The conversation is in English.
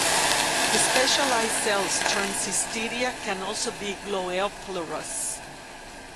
The specialized cells termed cystidia can also be gloeoplerous.